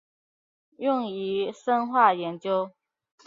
用于生化研究。